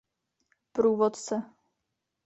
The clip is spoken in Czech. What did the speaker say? Průvodce.